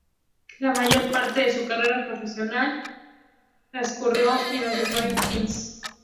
La mayor parte de su carrera profesional transcurrió en los Detroit Pistons.